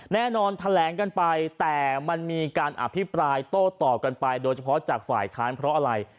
แน่นอนแถลงกันไปแต่มันมีการอภิปรายโต้ตอบกันไปโดยเฉพาะจากฝ่ายค้านเพราะอะไร